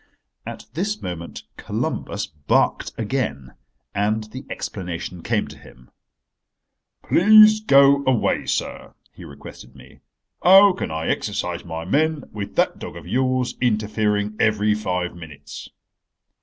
At this moment "Columbus" barked again, and the explanation came to him. "Please go away, sir," he requested me. "How can I exercise my men with that dog of yours interfering every five minutes?"